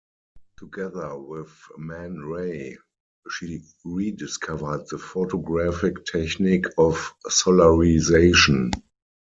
Together with Man Ray, she rediscovered the photographic technique of solarisation.